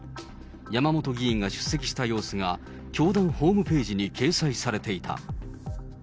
山本議員が出席した様子が、教団ホームページに掲載されていた。